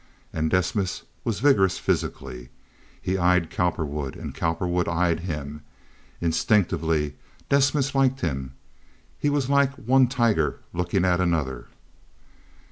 And Desmas was vigorous physically. He eyed Cowperwood and Cowperwood eyed him. Instinctively Desmas liked him. He was like one tiger looking at another.